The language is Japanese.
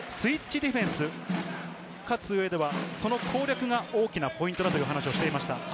ディフェンス、勝つ上ではその攻略が大きなポイントだと話していました。